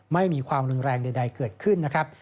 ไม่มีความรุนแรงใดเกิดขึ้นนะครับ